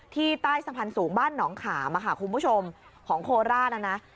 ที่ใต้สังพันธ์สูงบ้านหนองขาคุณผู้ชมของโคลาสน่ะนะ